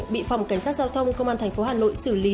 bị phòng cảnh sát giao thông công an thành phố hà nội xử lý